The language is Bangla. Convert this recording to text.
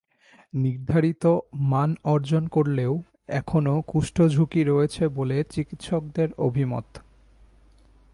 নির্ধারিত মান অর্জন করলেও এখনো কুষ্ঠ ঝুঁকি রয়েছে বলে চিকিৎসকদের অভিমত।